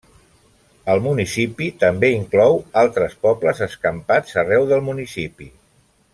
El municipi també inclou altres pobles escampats arreu del municipi.